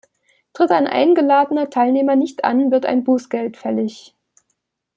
Tritt ein eingeladener Teilnehmer nicht an, wird ein Bußgeld fällig.